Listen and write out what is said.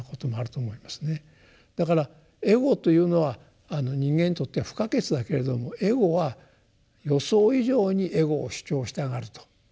だからエゴというのは人間にとっては不可欠だけれどもエゴは予想以上にエゴを主張したがると。